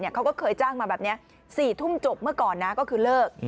เขาก็เคยจ้างมาแบบนี้๔ทุ่มจบเมื่อก่อนนะก็คือเลิก